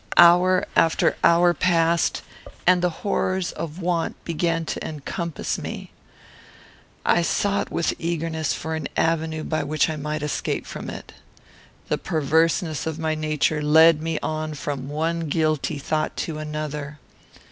Hour after hour passed, and the horrors of want began to encompass me. I sought with eagerness for an avenue by which I might escape from it. The perverseness of my nature led me on from one guilty thought to another.